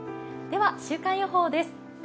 では週間予報です。